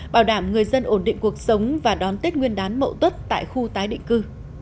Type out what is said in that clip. bảo đảm người dân ổn định cuộc sống và đón tết nguyên đán mậu tuất tại khu tái định cư